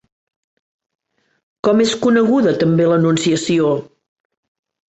Com és coneguda també l'Anunciació?